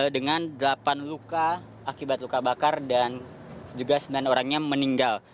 dengan delapan luka akibat luka bakar dan juga sembilan orangnya meninggal